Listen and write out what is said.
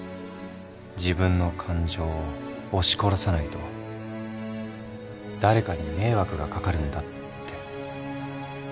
自分の感情を押し殺さないと誰かに迷惑がかかるんだって。